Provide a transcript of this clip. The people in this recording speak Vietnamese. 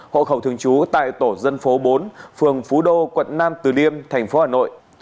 hội khẩu thường trú tại tổ dân phố bốn phường phú đô quận năm từ liêm tp hà nội